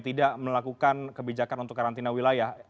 tidak melakukan kebijakan untuk karantina wilayah